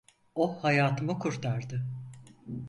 O hayatımı kurtardı.